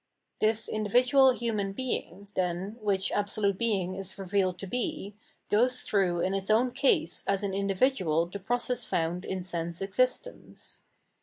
This individual human bemg, then, which Absolute Being is revealed to be, goes through in its own case as an individual the process found in sense existence.